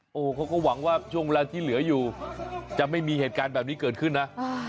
โอ้โหเขาก็หวังว่าช่วงเวลาที่เหลืออยู่จะไม่มีเหตุการณ์แบบนี้เกิดขึ้นนะ